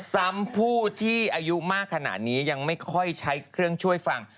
ผู้ที่อายุมากขนาดนี้ยังไม่ค่อยใช้เครื่องช่วยฟัง